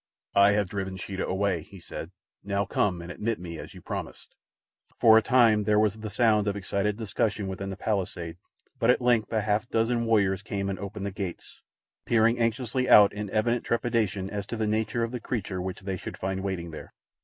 "I have driven Sheeta away," he said. "Now come and admit me as you promised." For a time there was the sound of excited discussion within the palisade, but at length a half dozen warriors came and opened the gates, peering anxiously out in evident trepidation as to the nature of the creature which they should find waiting there.